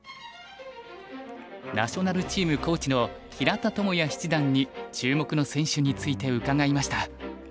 ナショナルチームコーチの平田智也七段に注目の選手について伺いました。